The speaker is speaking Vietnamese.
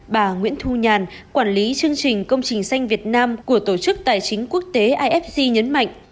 bà nguyễn thu nhàn quản lý chương trình công trình xanh việt nam của tổ chức tài chính quốc tế ifc nhấn mạnh